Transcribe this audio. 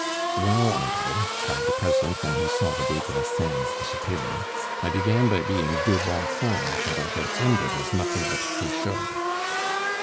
"Well, uncle," cried the president when he saw the des Grassins disappearing, "I began by being de Bonfons, and I have ended as nothing but Cruchot."